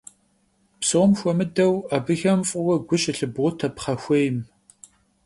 Psom xuemıdeu abıxem f'ıue gu şılhıbote pxhexuêym.